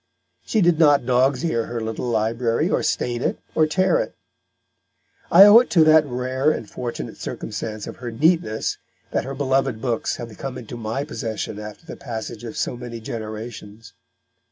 She did not dog's ear her little library, or stain it, or tear it. I owe it to that rare and fortunate circumstance of her neatness that her beloved books have come into my possession after the passage of so many generations.